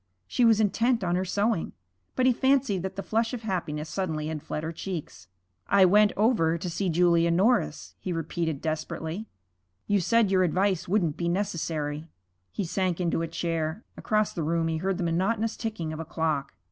She was intent on her sewing, but he fancied that the flush of happiness suddenly had fled her cheeks. 'I went over to see Julia Norris,' he repeated desperately. 'You said your advice wouldn't be necessary.' He sank into a chair. Across the room he heard the monotonous ticking of a clock.